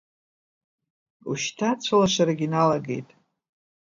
Ушьҭа ацәылашарагьы иналагеит.